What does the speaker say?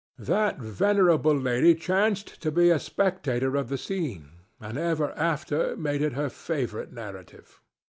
That venerable lady chanced to be a spectator of the scene, and ever after made it her favorite narrative.